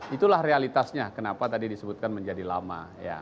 itulah realitasnya kenapa tadi disebutkan menjadi lama